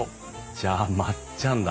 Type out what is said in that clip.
じゃあまっちゃんだ。